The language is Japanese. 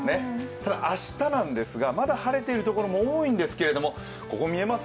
ただ、明日、まだ晴れている所も多いんですけどここ見えます？